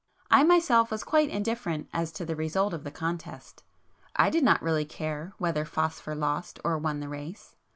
I myself was quite indifferent as to the result of the contest. I did not really care whether 'Phosphor' lost or won the race.